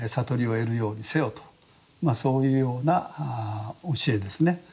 まあそういうような教えですね。